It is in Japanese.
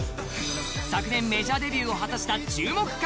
昨年メジャーデビューを果たした注目株